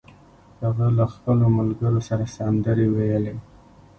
هغه له خپلو ملګرو سره سندرې ویلې